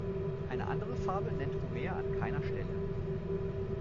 Eine andere Farbe nennt Homer an keiner Stelle.